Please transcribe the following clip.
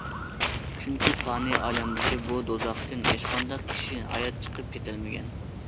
چۈنكى، پانىي ئالەمدىكى بۇ دوزاختىن ھېچقانداق كىشى ھايات چىقىپ كېتەلمىگەن.